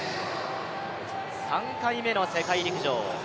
３回目の世界陸上。